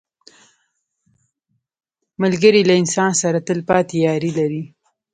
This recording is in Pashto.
ملګری له انسان سره تل پاتې یاري لري